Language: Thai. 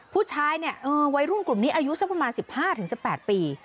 ผู้ชายเนี่ยวัยรุ่นกลุ่มนี้อายุสักประมาณ๑๕๑๘ปี